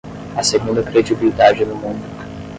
A segunda credibilidade no mundo